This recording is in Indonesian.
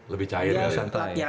lebih cahaya nih ya